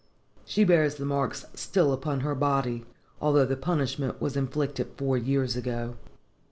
She bears the marks still upon her body although the punishment was inflicted four years ago.